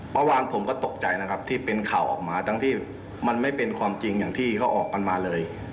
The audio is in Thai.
เมื่อวานผมก็ตกใจนะครับที่เป็นข่าวออกมาทั้งที่มันไม่เป็นความจริงอย่างที่เขาออกกันมาเลย